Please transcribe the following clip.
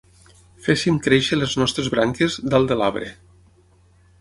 Féssim créixer les nostres branques, dalt de l'arbre.